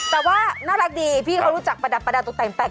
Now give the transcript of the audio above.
แต่ว่าน่ารักดีพี่เขารู้จักประดับประดาษตกแต่ง